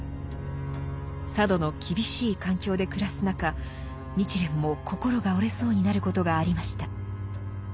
佐渡の厳しい環境で暮らす中日蓮も心が折れそうになることがありました。